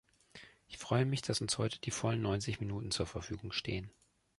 Ich freue mich, dass uns heute die vollen neunzig Minuten zur Verfügung stehen.